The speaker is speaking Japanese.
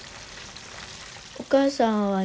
お母さんはね